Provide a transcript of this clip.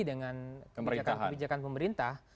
dengan kebijakan pemerintah